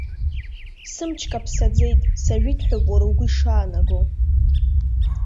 Сымч каԥсаӡеит, сажәит ҳәоуп уара угәы ишаанаго?!